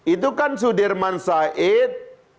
itu kan sudirman said